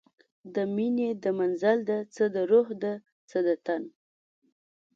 د میینې د منزل ده، څه د روح ده څه د تن